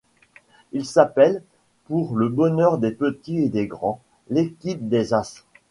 Ils s'appellent, pour le bonheur des petits et des grands, l'équipe des As.